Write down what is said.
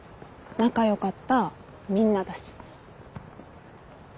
仲良かったみんなだし。